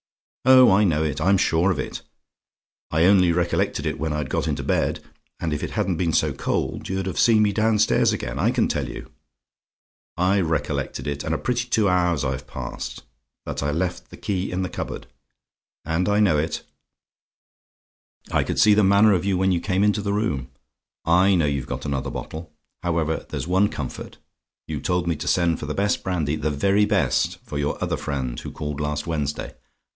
Oh, I know it, I'm sure of it. I only recollected it when I'd got into bed and if it hadn't been so cold, you'd have seen me downstairs again, I can tell you I recollected it, and a pretty two hours I've passed that I left the key in the cupboard, and I know it I could see by the manner of you when you came into the room I know you've got at the other bottle. However, there's one comfort: you told me to send for the best brandy the very best for your other friend, who called last Wednesday.